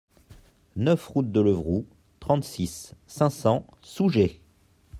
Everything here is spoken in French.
neuf route de Levroux, trente-six, cinq cents, Sougé